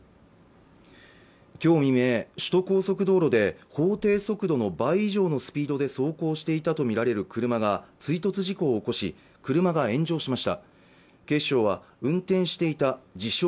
今日未明首都高速道路で法定速度の倍以上のスピードで走行していたとみられる車が追突事故を起こし車が炎上しました警視庁は運転していた自称